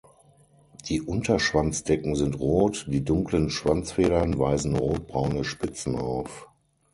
Die Unterschwanzdecken sind rot, die dunklen Schwanzfedern weisen rotbraune Spitzen auf.